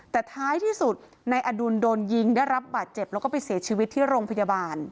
แต่ท้ายที่สุดนายอดุลโดนยิงได้รับบาดเจ็บแล้วก็ไปเสียชีวิตที่โรงพยาบาล